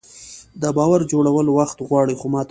د باور جوړول وخت غواړي، خو ماتول یوه لحظه.